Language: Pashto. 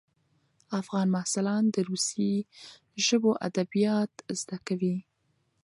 افغان محصلان د روسي ژبو ادبیات زده کوي.